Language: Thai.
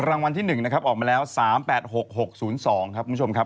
รางวัลที่๑นะครับออกมาแล้ว๓๘๖๖๐๒ครับคุณผู้ชมครับ